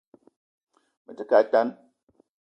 Me te ke a tan